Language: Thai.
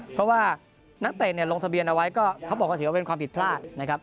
เพราะว่านักเตะลงทะเบียนเอาไว้เขาบอกว่าเป็นความผิดพลาดนะครับ